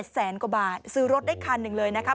แสนกว่าบาทซื้อรถได้คันหนึ่งเลยนะคะ